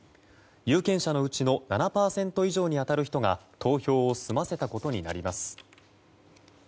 有権者のうちの７％以上に当たる人が投票を済ませたことになります。